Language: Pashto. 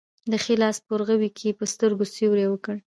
د ښي لاس په ورغوي کې یې په سترګو سیوری وکړ.